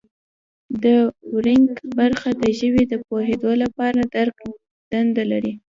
د ورنیک برخه د ژبې د پوهیدو او درک دنده لري